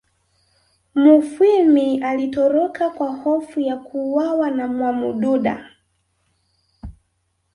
Mufwimi alitoroka kwa hofu ya kuuawa na Mwamududa